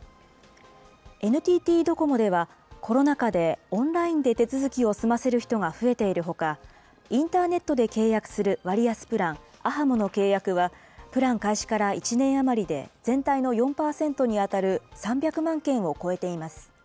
ＮＴＴドコモでは、コロナ禍で、オンラインで手続きを済ませる人が増えているほか、インターネットで契約する割安プラン、ａｈａｍｏの契約は、プラン開始から１年余りで、全体の４％に当たる３００万件を超えています。